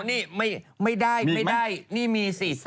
นี่ไม่ได้นี่มีสิ